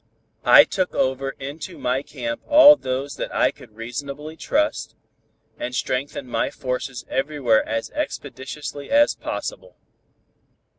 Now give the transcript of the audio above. I took over into my camp all those that I could reasonably trust, and strengthened my forces everywhere as expeditiously as possible.